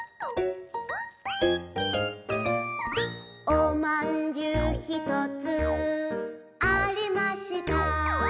「おまんじゅうひとつありました」